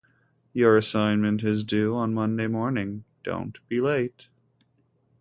Your assignment is due on Monday morning. Don't be late.